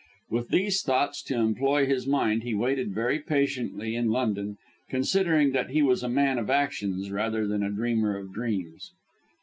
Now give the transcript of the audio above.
With these thoughts to employ his mind he waited very patiently in London, considering that he was a man of actions rather than a dreamer of dreams.